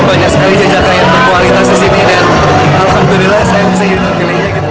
banyak sekali jjk yang berkualitas di sini dan alhamdulillah saya bisa ini